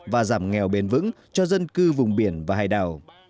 và giảm nghèo bền vững cho dân cư vùng biển và hải đảo